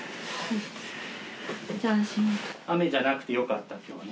雨じゃなくてよかった今日はね。